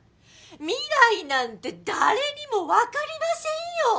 未来なんて誰にも分かりませんよ。